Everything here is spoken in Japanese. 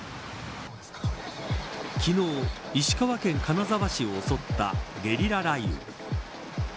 昨日、石川県金沢市を襲ったゲリラ雷雨。